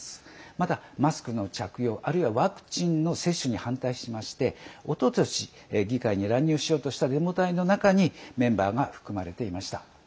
また、マスクの着用、あるいはワクチンの接種に反対しましておととし議会に乱入しようとしたデモ隊の中にメンバーが含まれていました。